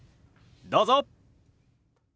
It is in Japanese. どうぞ！